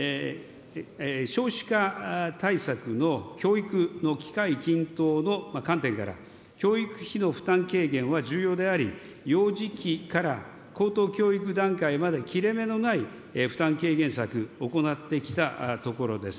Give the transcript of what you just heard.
少子化対策の教育の機会均等の観点から、教育費の負担軽減は重要であり、幼児期から高等教育段階まで、切れ目のない負担軽減策、行ってきたところです。